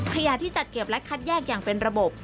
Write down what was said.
ขยะที่จัดเก็บและคัดแยกอย่างเป็นระบบ